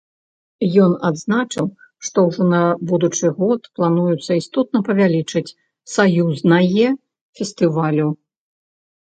Ён адзначыў, што ўжо на будучы год плануецца істотна павялічыць саюзнае фестывалю.